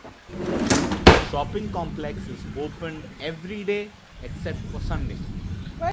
The shopping complex is opened everyday except for Sunday.